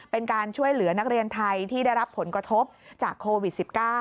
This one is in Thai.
เป็นการช่วยเหลือนักเรียนไทยที่ได้รับผลกระทบจากโควิด๑๙